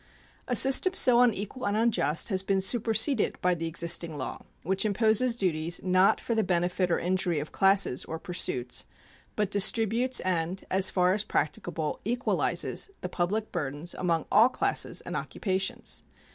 A system so unequal and unjust has been superseded by the existing law, which imposes duties not for the benefit or injury of classes or pursuits, but distributes and, as far as practicable, equalizes the public burdens among all classes and occupations.